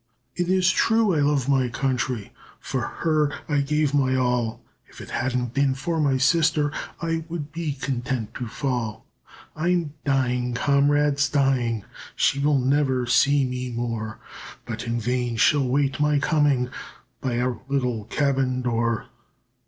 "It is true I love my country, For her I gave my all. If it hadn't been for my sister, I would be content to fall. I am dying, comrades, dying, She will never see me more, But in vain she'll wait my coming By our little cabin door.